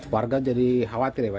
warga jadi khawatir ya pak